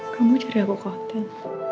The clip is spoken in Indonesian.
kamu cari aku ke hotel